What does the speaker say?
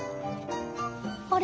あれ？